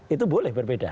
itu boleh berbeda